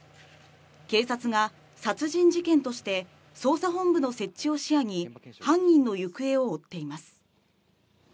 警察が殺人事件として捜査本部の設置を視野に犯人の行方を追っています。